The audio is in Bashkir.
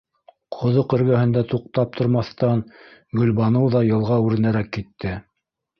Ҡоҙоҡ эргәһендә туҡтап тормаҫтан, Гөлбаныу ҙа йылға үренәрәк китте.